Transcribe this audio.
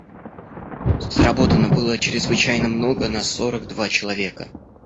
Сработано было чрезвычайно много на сорок два человека.